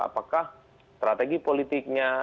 apakah strategi politiknya